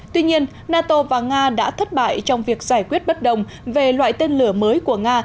tuy nhiên nato và nga đã thất bại trong việc giải quyết bất đồng về loại tên lửa mới của nga